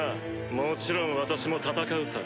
もちろん私も戦うさ。